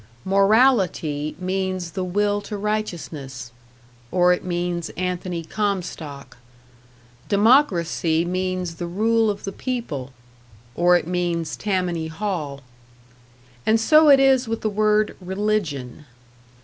Morality means the will to righteousness, or it means Anthony Comstock; democracy means the rule of the people, or it means Tammany Hall. And so it is with the word "Religion".